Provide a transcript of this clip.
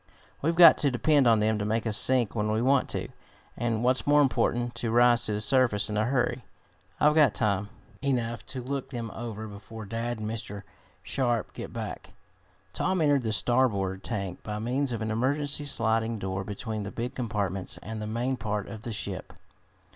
We've got to depend on them to make us sink when we want to, and, what's more important, to rise to the surface in a hurry. I've got time enough to look them over before dad and Mr. Sharp get back." Tom entered the starboard tank by means of an emergency sliding door between the big compartments and the main part of the ship.